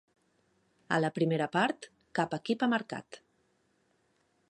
A la primera part, cap equip ha marcat.